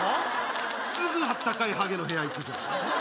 すぐあったかいハゲの部屋行くじゃん何？